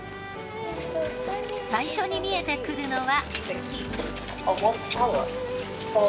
最初に見えてくるのは。